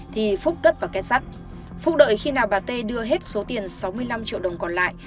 thì phúc cất vào kết sắt phúc đợi khi nào bà tê đưa hết số tiền sáu mươi năm triệu đồng còn lại